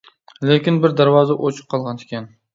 لېكىن بىر دەرۋازا ئۇچۇق قالغان ئىكەن.